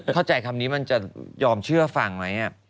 เข้าใจคำนี้มันจะยอมเชื่อฟังไหม